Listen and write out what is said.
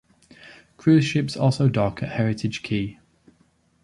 Cruise ships also dock at Heritage Quay.